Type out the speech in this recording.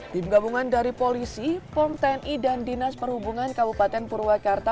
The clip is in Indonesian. tim gabungan dari polisi pom tni dan dinas perhubungan kabupaten purwakarta